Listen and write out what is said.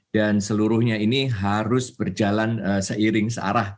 dan seluruhnya ini harus berjalan seiring searah